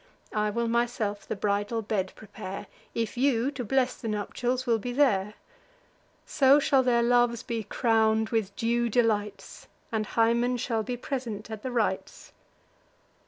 I will myself the bridal bed prepare, If you, to bless the nuptials, will be there: So shall their loves be crown'd with due delights, And Hymen shall be present at the rites."